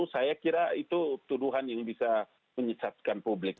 saya kira itu tuduhan yang bisa menyesatkan publik